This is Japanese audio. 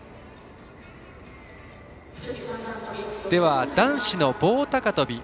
では、男子の棒高跳び。